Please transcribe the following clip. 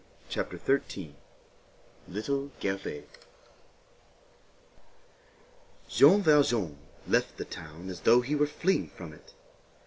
CHAPTER XIII—LITTLE GERVAIS Jean Valjean left the town as though he were fleeing from it.